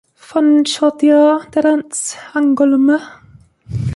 Fontchaudière dead end, Angoulême